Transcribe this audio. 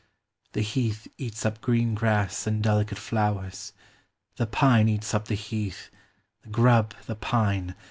The heath eats up green grass and delicate flowers, The pine eats up the heath, the grub the pine.